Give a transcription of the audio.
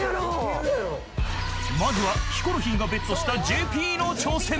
［まずはヒコロヒーがＢＥＴしたＪＰの挑戦］